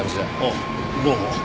ああどうも。